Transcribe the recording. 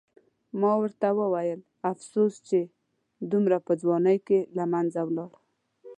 ما ورته وویل: افسوس چې دومره په ځوانۍ کې له منځه ولاړ.